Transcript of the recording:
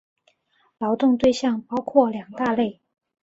劳动对象包括两大类。